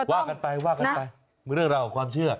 วากกันไปเมื่อเรื่องเรากับความเชื่อ